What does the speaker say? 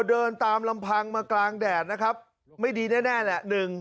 เดินตามลำพังมากลางแดดนะครับไม่ดีแน่แน่แหละหนึ่ง